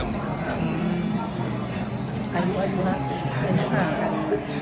เพิ่งเล่นกับหมูครับ